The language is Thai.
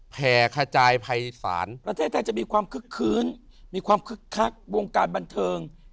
แข่ขจายภัยศาลประเทศไทยจะมีความคึกคื้นมีความคึกคักวงการบันเทิง